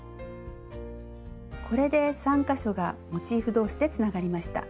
これで３か所がモチーフ同士でつながりました。